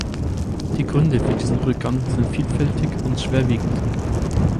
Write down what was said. Die Gründe für diesen Rückgang sind vielfältig und schwerwiegend.